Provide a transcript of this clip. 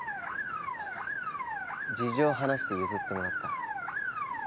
事情を話して譲ってもらった。